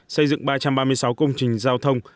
xây dựng ba trăm ba mươi sáu công trình giao thông